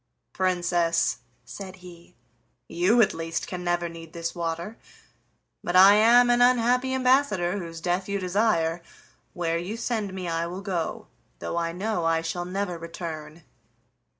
"Princess," said he, "you at least can never need this water, but I am an unhappy ambassador, whose death you desire. Where you send me I will go, though I know I shall never return."